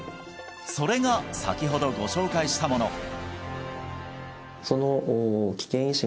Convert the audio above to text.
それが先ほどご紹介したもの